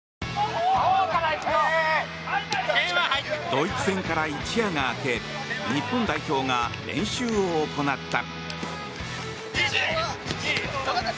ドイツ戦から一夜が明け日本代表が練習を行った。